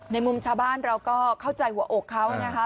มุมชาวบ้านเราก็เข้าใจหัวอกเขานะคะ